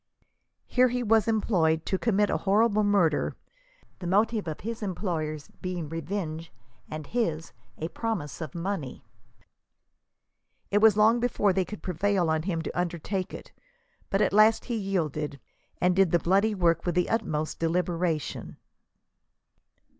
Here he was employed to commit a horrible murder, the motive of his employers being revenge, and his, a promise of money. It was long before they could prevail on him to undertake it, but at last he yielded, and did the bloody work with the utmost deliberation.